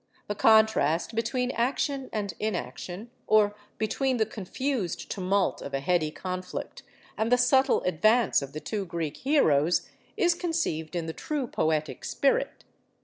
The contrast between action and inaction, or between the confused tumult of a heady conflict and the subtle advance of the two Greek heroes, is conceived in the true poetic spirit.